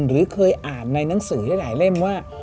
หรือเคยอ่านในหนังสือหลายเล่มว่า